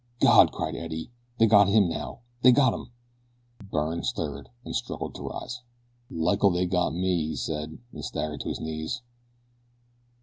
"God!" cried Eddie. "They got him now, they got him." Byrne stirred and struggled to rise. "Like'll they got me," he said, and staggered to his knees.